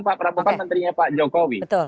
pak prabowo kan menterinya pak jokowi